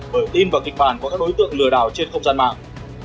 bởi tin vào kịch bản của các đối tượng lừa đảo trên không gian mạng